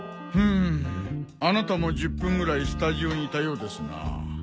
ウーンあなたも１０分ぐらいスタジオにいたようですな。